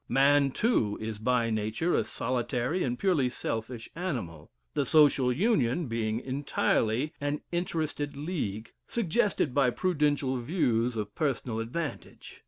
Man, too, is by nature, a solitary and purely selfish animal; the social union being entirely an interested league, suggested by prudential views of personal advantage.